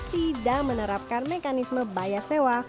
tidak menerapkan mekanisme bayar sewa